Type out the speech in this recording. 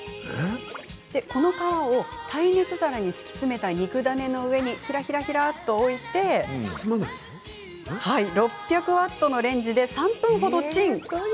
この皮を耐熱皿に敷き詰めた肉ダネの上にひらひらひらっと置いて６００ワットのレンジで３分ほどチン。